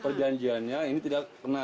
perjanjiannya ini tidak kena